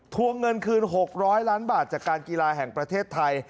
วงเงินคืน๖๐๐ล้านบาทจากการกีฬาแห่งประเทศไทย